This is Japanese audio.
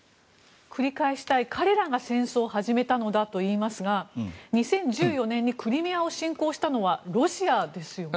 繰り返したい彼らが戦争を始めたのだと言いますが２０１４年にクリミアを侵攻したのはロシアですよね。